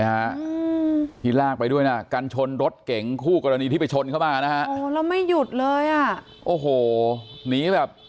ฮะอืมที่ลากไปด้วยน่ะกันชนรถเก่งคู่กรณีที่ไปชนเข้ามานะฮะโอ้แล้วไม่หยุดเลยอ่ะโอ้โหหนีแบบ